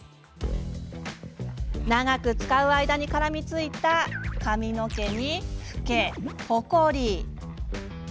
長く使う間に絡みついた髪の毛に、フケ、ほこり。